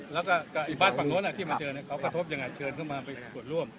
แล้วก็อีบ้านฝั่งโน้นอ่ะที่มาเจอนี่เขากระทบยังไงเชิญเข้ามาไปตรวจร่วม